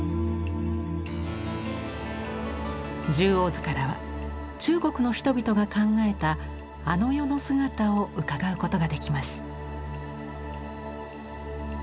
「十王図」からは中国の人々が考えたあの世の姿をうかがうことができます。